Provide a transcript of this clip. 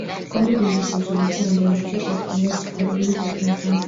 კომედიური სიმსუბუქე ამ როლებში შერწყმულია ფსიქოლოგიურ სიღრმესთან.